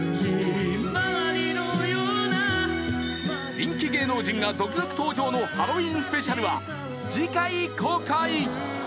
人気芸能人が続々登場のハロウィンスペシャルは次回公開！